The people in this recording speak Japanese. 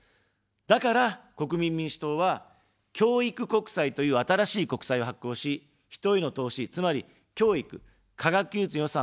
だから、国民民主党は、教育国債という新しい国債を発行し、人への投資、つまり、教育、科学技術の予算を倍増させます。